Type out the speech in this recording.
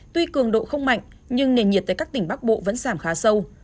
tuy cường độ không mạnh nhưng nền nhiệt tại các tỉnh bắc bộ vẫn giảm khá sâu